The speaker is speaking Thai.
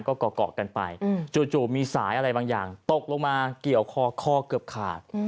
ก็เกาะกันไปจู่มีสายอะไรบางอย่างตกลงมาเกี่ยวคอคอเกือบขาด